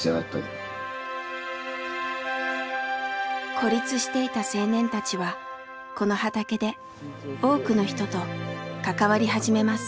孤立していた青年たちはこの畑で多くの人と関わり始めます。